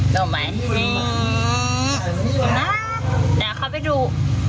ต้องไหมสามารถเปลี่ยนมาเดี๋ยวเขาไปดู